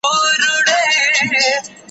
د قوم اکثره خلکو ئې بيا هم ايمان رانه وړ.